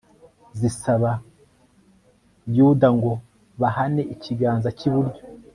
zisaba yuda ngo bahane ikiganza cy'iburyo